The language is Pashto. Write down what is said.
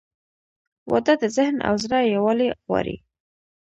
• واده د ذهن او زړه یووالی غواړي.